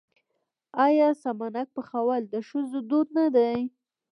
آیا سمنک پخول د ښځو دود نه دی؟